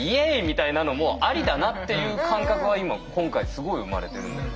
みたいなのもありだなっていう感覚は今今回すごい生まれてるんで。